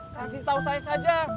kasih tau saya saja